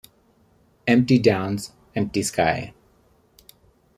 Empty downs, empty sky.